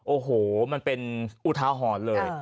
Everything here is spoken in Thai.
โอ้โหมันเป็นอุทาหรณ์เลย